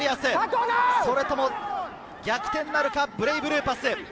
逆転なるか、ブレイブルーパス。